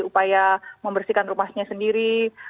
upaya membersihkan rumahnya sendiri